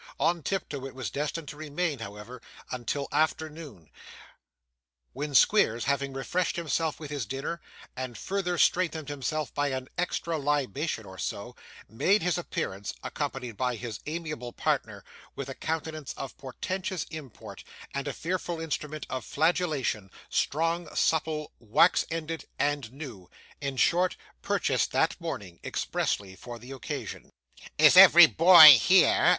On tiptoe it was destined to remain, however, until afternoon; when Squeers, having refreshed himself with his dinner, and further strengthened himself by an extra libation or so, made his appearance (accompanied by his amiable partner) with a countenance of portentous import, and a fearful instrument of flagellation, strong, supple, wax ended, and new, in short, purchased that morning, expressly for the occasion. 'Is every boy here?